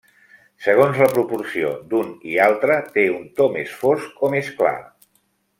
Segons la proporció d'un i altre, té un to més fosc o més clar.